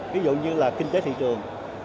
ví dụ như là kinh tế thị trường